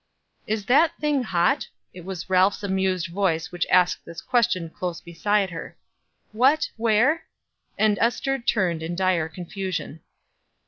"Is that thing hot?" It was Ralph's amused voice which asked this question close beside her. "What? Where?" And Ester turned in dire confusion.